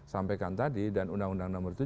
sampaikan tadi dan undang undang nomor tujuh